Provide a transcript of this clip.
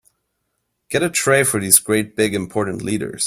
Get a tray for these great big important leaders.